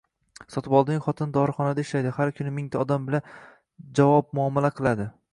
Sotiboldining xotini dorixonada ishlaydi, har kuni mingta odam bilan javob-muomala qiladi